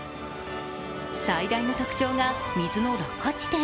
最大の特徴が、水の落下地点。